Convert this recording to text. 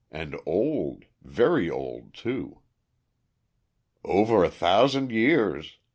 "And old, very old, too." "Over a thousand years.